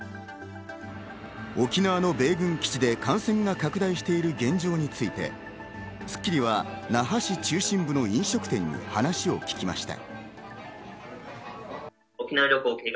沖縄の米軍基地で感染が拡大している現状について『スッキリ』は那覇市中心部の飲食店に話を聞きました。